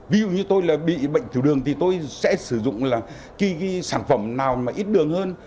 ví dụ như tôi là bị bệnh tiểu đường thì tôi sẽ sử dụng là cái sản phẩm nào mà ít đường hơn